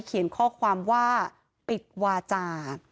เขียนข้อความว่าปิดวาจา